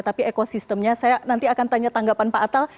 tapi ekosistemnya saya nanti akan tanya tanggapan pak atal